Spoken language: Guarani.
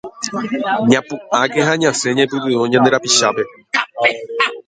Ñapu'ãke ha ñasẽ ñaipytyvõ ñande rapichápe